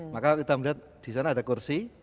maka kita melihat disana ada kursi